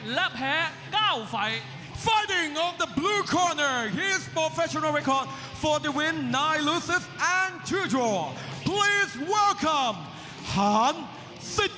และแพ้๙ไฟล์